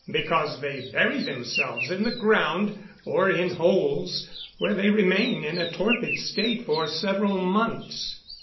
_ Because they bury themselves in the ground, or in holes, where they remain in a torpid state for several months.